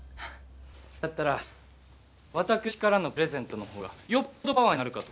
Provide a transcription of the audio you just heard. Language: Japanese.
だったら私からのプレゼントのほうがよっぽどパワーになるかと。